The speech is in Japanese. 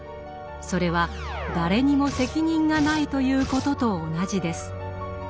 それは誰にも責任がないということと同じです。